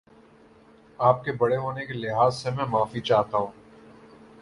آپ کے بڑے ہونے کے لحاظ سے میں معافی چاہتا ہوں